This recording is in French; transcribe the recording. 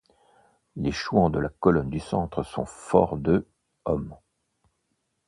Les Chouans de la colonne du Centre sont forts de hommes.